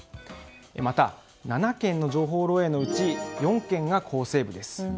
また、７件の情報漏洩のうち４件が厚生部です。